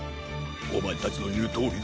おまえたちのいうとおりだ。